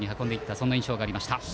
そんな印象がありました。